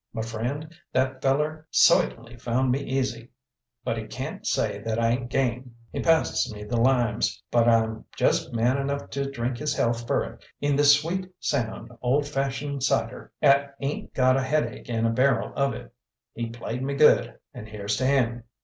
"M' friend, that feller soitn'y found me easy. But he can't say I ain't game; he passes me the limes, but I'm jest man enough to drink his health fer it in this sweet, sound ole fashioned cider 'at ain't got a headache in a barrel of it. He played me GUD, and here's TO him!"